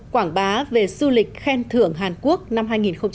quảng bá về du lịch khen thưởng hàn quốc năm hai nghìn một mươi tám